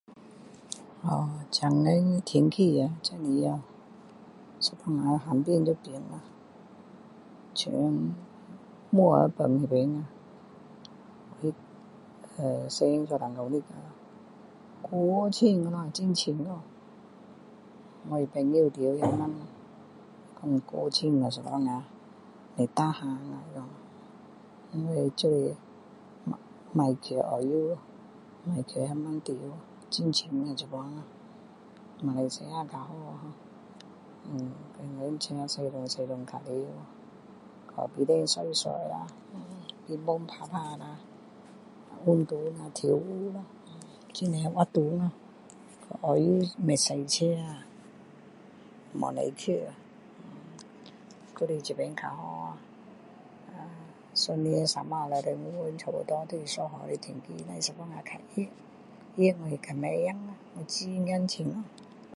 现在的天气呀真的呀有时候想变就变呀像木耳崩那边呀呃前两三个月呀太冷了很冷呀我朋友住那边讲太冷了有时候不耐呀他说所以就是不要去澳洲咯不要去那边住很冷呀现在马来西亚比较好呀天天车驾去驾去比较闲kopi 店坐坐下乒乓打打下运动下跳舞下很多活动呀澳洲不会驾车呀没有地方去呀还是这边比较好呀一年365天都是差不多都是一样的天气热我比较不怕我很怕冷